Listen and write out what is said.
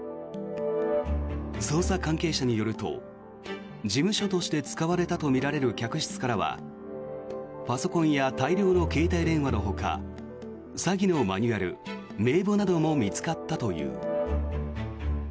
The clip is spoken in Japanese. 捜査関係者によると事務所として使われたとみられる客室からはパソコンや大量の携帯電話のほか詐欺のマニュアル名簿なども見つかったという。